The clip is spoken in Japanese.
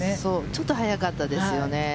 ちょっと早かったですよね。